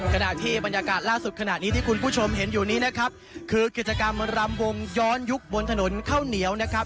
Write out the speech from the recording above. ขณะที่บรรยากาศล่าสุดขณะนี้ที่คุณผู้ชมเห็นอยู่นี้นะครับคือกิจกรรมรำวงย้อนยุคบนถนนข้าวเหนียวนะครับ